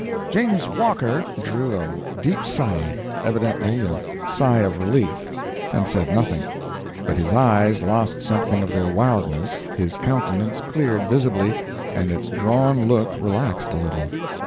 "James Walker" drew a deep sigh evidently a sigh of relief and said nothing; but his eyes lost something of their wildness, his countenance cleared visibly, and its drawn look relaxed a little.